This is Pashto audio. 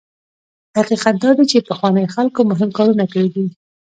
حقیقت دا دی چې پخوانیو خلکو مهم کارونه کړي دي.